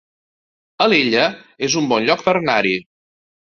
Alella es un bon lloc per anar-hi